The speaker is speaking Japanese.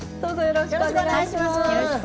よろしくお願いします。